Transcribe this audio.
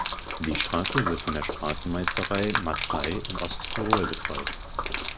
Die Straße wird von der Straßenmeisterei Matrei in Osttirol betreut.